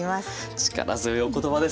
力強いお言葉です。